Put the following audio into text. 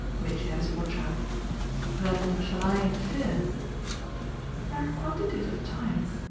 Mitchy had his watch out. "Then shall I interfere?" "There are quantities of time.